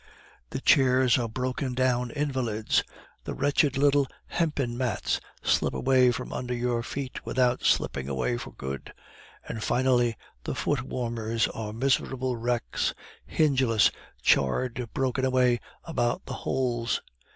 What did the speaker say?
The chairs are broken down invalids; the wretched little hempen mats slip away from under your feet without slipping away for good; and finally, the foot warmers are miserable wrecks, hingeless, charred, broken away about the holes.